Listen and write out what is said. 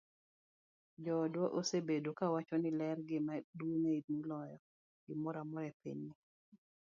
Joodwa osebedo kawacho ni ler e gima duong'ie moloyo gimoro amora e pinyni.